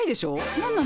何なの？